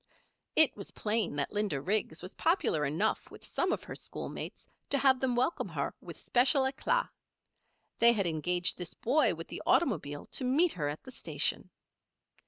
It was plain that Linda Riggs was popular enough with some of her schoolmates to have them welcome her with special éclat. They had engaged this boy with the automobile to meet her at the station.